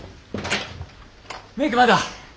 メイクまだ？